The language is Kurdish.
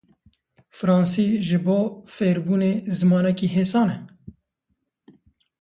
Fransî ji bo fêrbûnê zimanekî hêsan e?